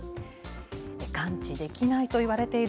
完治できないといわれている